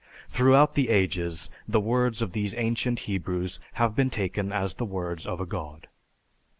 Throughout the ages, the words of these ancient Hebrews have been taken as the words of a god.